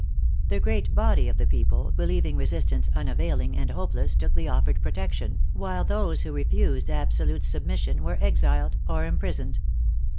The great body of the people, believing resistance unavailing and hopeless, took the offered protection, while those who refused absolute submission were exiled or imprisoned.